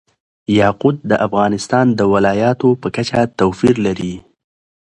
یاقوت د افغانستان د ولایاتو په کچه توپیر لري.